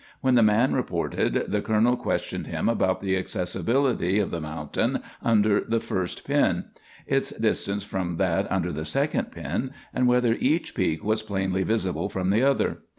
When the man reported, the colonel questioned him about the accessibility of the mountain under the first pin, its distance from that under the second pin, and whether each peak was plainly visible from the other.